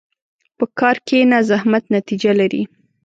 په کار کښېنه، زحمت نتیجه لري.